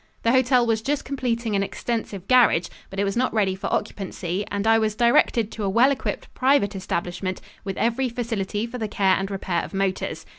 The hotel was just completing an extensive garage, but it was not ready for occupancy and I was directed to a well equipped private establishment with every facility for the care and repair of motors.